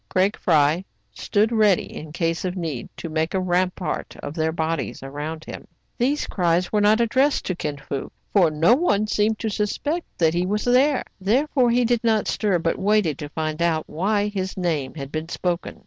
Craig Fry stood ready, in case of need, to make a rampart of their bodies around him. These cries were not addressed to Kin Fo ; for no one seemed to suspect that he was there : therefore he did not stir, but waited to find out why his name had been spoken.